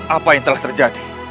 apa yang telah terjadi